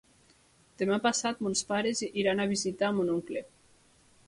Demà passat mons pares iran a visitar mon oncle.